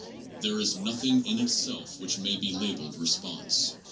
There is noth ing in itself which may be labelled response.